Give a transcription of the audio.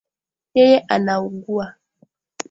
yeye anaugua.